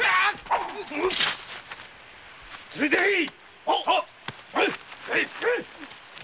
連れて行けい。